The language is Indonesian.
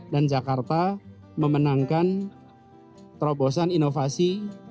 dan jakarta memenangkan terobosan inovasi